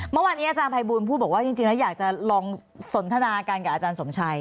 เมื่อวานนี้อาจารย์ภัยบูลพูดบอกว่าจริงแล้วอยากจะลองสนทนากันกับอาจารย์สมชัย